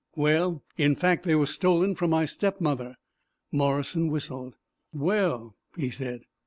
"Well in fact, they were stolen from my stepmother." Morrison whistled. "Well," he said.